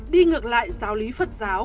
đi ngược lại giáo lý phật giáo